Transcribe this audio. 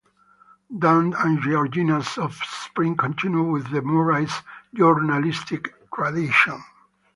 Dan and Georgina's offspring continue with the Murray's journalistic tradition.